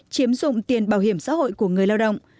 chiếm dụng tiền bảo hiểm xã hội của người lao động